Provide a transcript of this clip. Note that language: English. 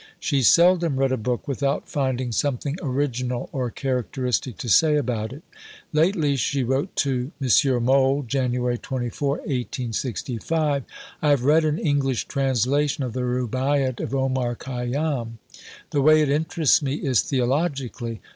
She seldom read a book without finding something original or characteristic to say about it. "Lately," she wrote to M. Mohl (Jan. 24, 1865), "I have read an English translation of the Rubáiyát of Omar Khayyám. The way it interests me is theologically.